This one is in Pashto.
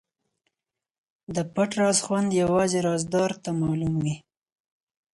د پټ راز خوند یوازې رازدار ته معلوم وي.